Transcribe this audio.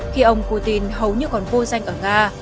khi ông putin hầu như còn vô danh ở nga